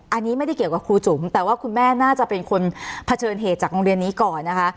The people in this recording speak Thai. อันนี้ไม่ได้เกี่ยวกับครูจุ๋มแต่ว่าคุณแม่น่าจะเป็นคนเผชิญเหตุจากโรงเรียนนี้ก่อนนะคะ